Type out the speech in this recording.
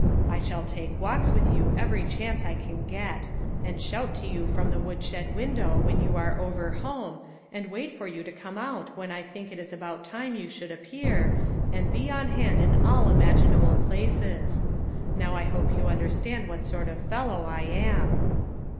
I shall take walks 174 LITTLE FISHERS : AND THEIE NETS. with you every chance I can get ; and shout to you from the woodshed window when you are over home, and wait for you to come out w r hen I think it is about time you should appear, and be on hand in all imaginable places. Now I hope you understand what sort of a fellow I am."